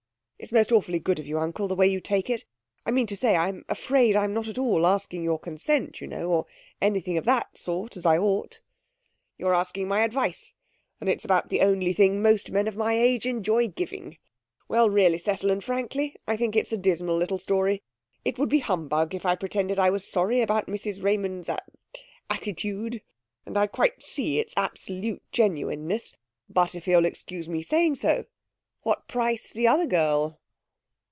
'It's most awfully good of you, Uncle, the way you take it. I mean to say, I'm afraid I'm not at all asking your consent, you know, or anything of that sort, as I ought.' 'You're asking my advice, and it's about the only thing most men of my age enjoy giving. Well, really, Cecil, and frankly, I think it's a dismal little story. It would be humbug if I pretended I was sorry about Mrs Raymond's a attitude, and I quite see its absolute genuineness But, if you'll excuse my saying so, what price the other girl?'